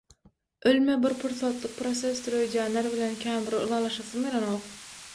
Ölüme bir pursatlyk prosesdir öýdýänler bilen kän bir ylalaşasym gelenok.